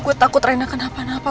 gue takut rendah kenapa napa